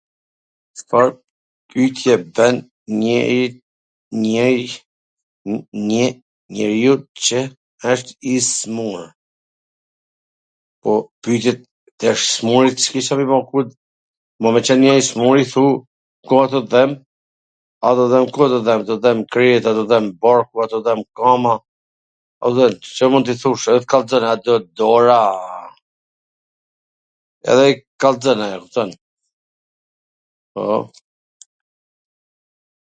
Cfar pytje i bwn njw njeriu qw wsht i smur? Po pytje tash t smurit s ke Ca me i ba, kur... me qen njeri smur i thu ku tw dhemb, a tw dhwmb, ku tw dhemb, tw dhemb kryet a tw dhemb barku a tw dhemb koma, edhe kallzon ai, a kupton, Ca mund t i thush edhe t kallzon, a t dhemb dora a, edhe kallzon ajo, kupton? po,